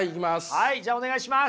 はいじゃあお願いします！